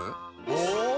お！